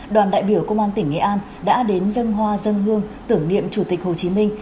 đoàn đại biểu công an tỉnh nghệ an đã đến dân hoa dân hương tưởng niệm chủ tịch hồ chí minh